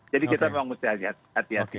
jadi kita memang harus hati hati